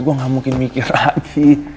gue gak mungkin mikir lagi